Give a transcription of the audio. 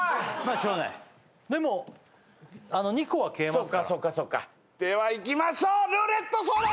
しょうがないでも２個は消えますからそっかそっかそっかではいきましょうルーレットソード